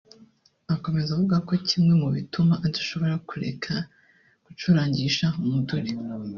Akomeza avuga ko kimwe mu bituma adashobora kureka gucurangisha umuduri